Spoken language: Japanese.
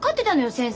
先生。